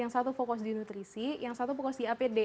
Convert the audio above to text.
yang satu fokus di nutrisi yang satu fokus di apd